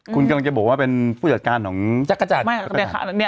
คุณกำลังจะบอกว่าเป็นผู้จัดการของจักรจันทร์